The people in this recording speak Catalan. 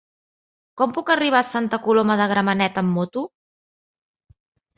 Com puc arribar a Santa Coloma de Gramenet amb moto?